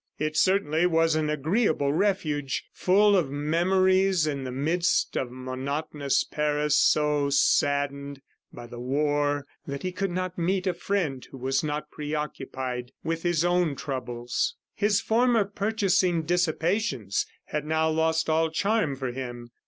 It certainly was an agreeable refuge, full of memories in the midst of monotonous Paris so saddened by the war that he could not meet a friend who was not preoccupied with his own troubles. His former purchasing dissipations had now lost all charm for him.